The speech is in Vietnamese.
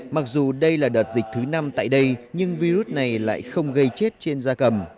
mặc dù đây là đợt dịch thứ năm tại đây nhưng virus này lại không gây chết trên da cầm